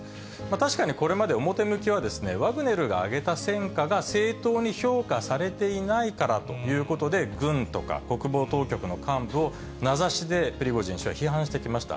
確かにこれまで表向きは、ワグネルが上げた戦果が正当に評価されていないからということで、軍とか国防当局の幹部を名指しでプリゴジン氏は批判してきました。